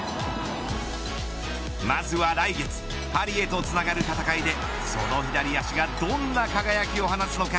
まずは来月パリへとつながる戦いでその左足がどんな輝きを放つのか